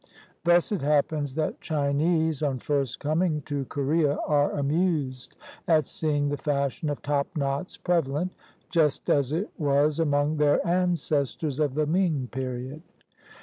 Thus it happens that Chinese, on first coming to Korea, are amused at seeing the fash ion of topknots prevalent, just as it was among their ancestors of the Ming period.